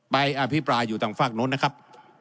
อภิปรายอยู่ต่างฝากโน้นนะครับ